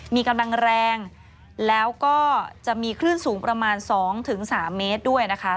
มีกำลังแรงแล้วก็จะมีคลื่นสูงประมาณ๒๓เมตรด้วยนะคะ